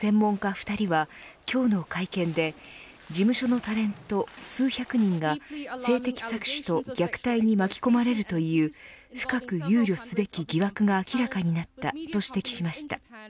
２人は今日の会見で事務所のタレント数百人が性的搾取と虐待に巻き込まれるという深く憂慮すべき疑惑が明らかになったと指摘しました。